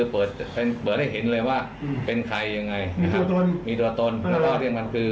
เปิดได้เห็นเลยว่าเป็นใครยังไงมีตัวตนแล้วก็เรียกมันคือ